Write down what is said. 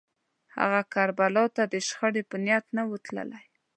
هغه کربلا ته د شخړې په نیت نه و تللی